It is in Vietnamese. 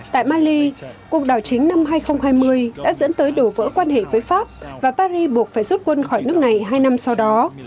tại mali cuộc đảo chính năm hai nghìn hai mươi đã dẫn tới đổ vỡ quan hệ với pháp và paris buộc phải rút quân khỏi nước này hai năm sau đó